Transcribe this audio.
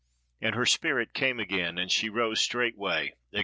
And her spirit came again, and she arose straightway," &c.